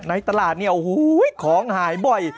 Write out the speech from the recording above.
ในตลาดเนี่ยของหายบ่อย